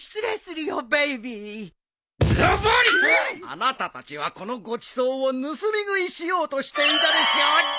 あなたたちはこのごちそうを盗み食いしようとしていたでしょうニャ。